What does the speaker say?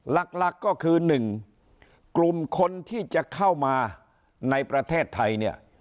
หลักก็คือ๑กลุ่มคนที่จะเข้ามาในประเทศไทยเนี่ย